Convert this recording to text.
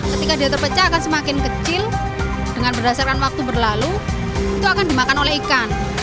ketika dia terpecah akan semakin kecil dengan berdasarkan waktu berlalu itu akan dimakan oleh ikan